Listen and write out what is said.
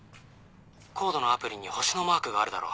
ＣＯＤＥのアプリに星のマークがあるだろ？